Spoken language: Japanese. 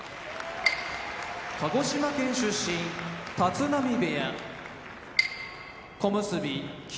鹿児島県出身立浪部屋小結・霧